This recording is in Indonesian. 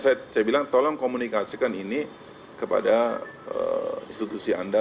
saya bilang tolong komunikasikan ini kepada institusi anda